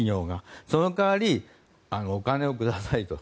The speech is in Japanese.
その代わりお金をくださいと。